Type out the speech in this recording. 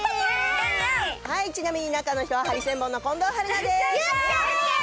ちなみに中の人はハリセンボンの近藤春菜です。